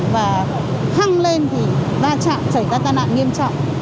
và hăng lên thì ra chạm chảy ra tai nạn nghiêm trọng